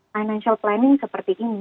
financial planning seperti ini